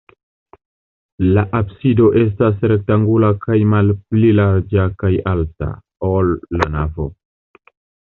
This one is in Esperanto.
La absido estas rektangula kaj malpli larĝa kaj alta, ol la navo.